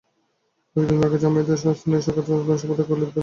কয়েক দিন আগে জামায়াতের স্থানীয় শাখার সাধারণ সম্পাদক খালিদ বিন মাসুদ অপহূত হন।